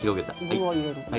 具を入れるから。